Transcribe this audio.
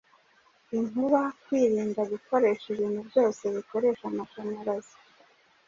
inkuba, kwirinda gukoresha ibintu byose bikoresha amashanyarazi